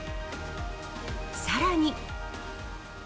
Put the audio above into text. さらに。